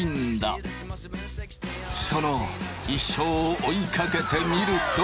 その一生を追いかけてみると。